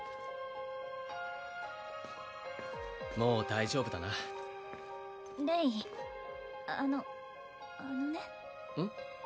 もう大丈夫だなレイあのあのねうん？